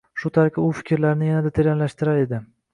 Shu tariqa u fikrlarini yanada teranlashtirar edi